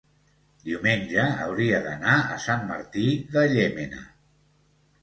diumenge hauria d'anar a Sant Martí de Llémena.